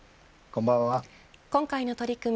今回の取り組み